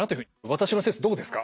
私の説どうですか？